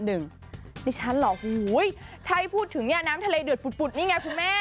นี่ฉันเหรอถ้าให้พูดถึงเนี่ยน้ำทะเลเดือดปุดนี่ไงคุณแม่